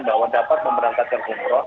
bahwa dapat pemberangkatan umroh